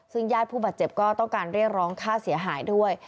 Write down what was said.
ซึ่งญาติผู้บาดเจ็บก็ต้องการเรียกร้องค่าเสียหายด้วย